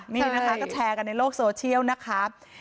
นี่นะคะก็แชร์กันในโลกโซเชียลนะคะ